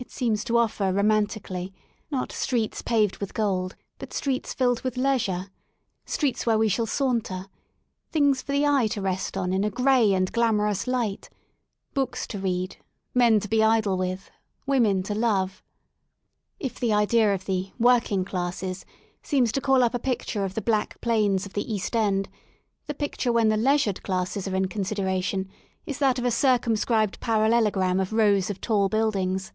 It seems to oflfer romantically, not streets paved with gold but streets filled with leisure, streets where we shall saunter, things for the eye to rest on in a gray and glamorous light, books to read, men to be idle with, women to love. If the idea of the working classes " seems to call up a picture of the black plains of the East End, the pic ture when the leisured classes" are in consideration is that of a circumscribed parallelogram of rows of tall buildings.